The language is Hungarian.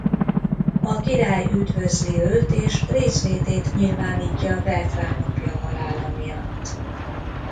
A Király üdvözli őt és részvétét nyilvánítja Bertram apja halála miatt.